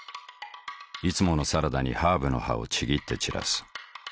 いつものサラダにハーブの葉をちぎって散らす。